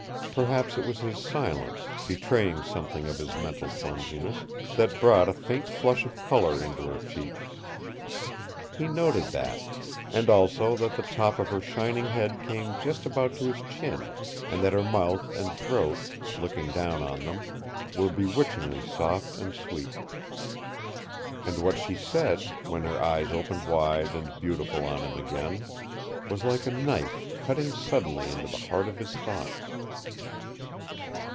Perhaps it was his silence, betraying something of his mental clumsiness, that brought a faint flush of color into her cheeks. He noted that; and also that the top of her shining head came just about to his chin, and that her mouth and throat, looking down on them, were bewitchingly soft and sweet. And what she said, when her eyes opened wide and beautiful on him again, was like a knife cutting suddenly into the heart of his thoughts.